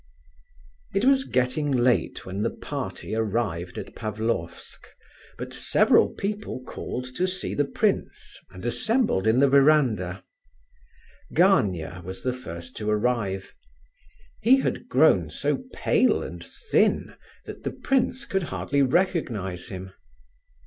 It was getting late when the party arrived at Pavlofsk, but several people called to see the prince, and assembled in the verandah. Gania was the first to arrive. He had grown so pale and thin that the prince could hardly recognize him.